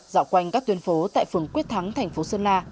dạo quanh các tuyến phố tại phường quyết thắng thành phố sơn la